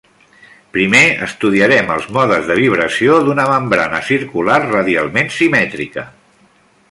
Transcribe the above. Primer estudiarem els modes de vibració d'una membrana circular radialment simètrica.